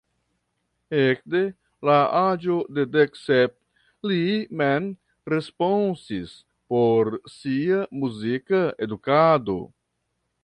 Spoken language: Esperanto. Ekde la aĝo de dek sep li mem responsis por sia muzika edukado.